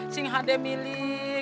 nanti ada milik